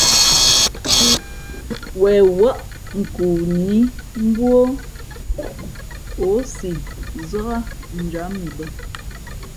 Wen wάʼ nkoo nǐ mbú o, ǒ si zák njǎm i bᾱ.